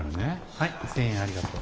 はい１，０００円ありがとう。